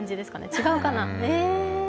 違うかな？